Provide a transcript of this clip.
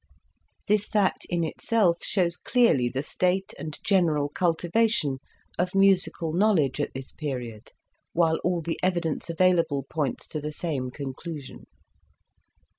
This fact in itself shows clearly the state and general cultivation of musical knowledge at this period, while all the evidence available points to the same conclusion.